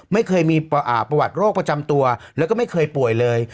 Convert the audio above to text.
ไม่เคยมีประวัติโรคประจำตัวแล้วก็ไม่เคยป่วยเลย